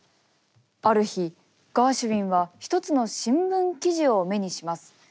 ある日ガーシュウィンは一つの新聞記事を目にします。